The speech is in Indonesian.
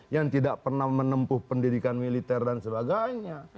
yang tidak pernah menempuh pendidikan militer dan sebagainya